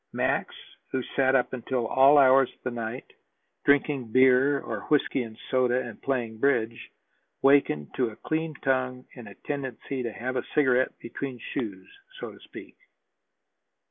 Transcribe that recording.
Max, who sat up until all hours of the night, drinking beer or whiskey and soda, and playing bridge, wakened to a clean tongue and a tendency to have a cigarette between shoes, so to speak.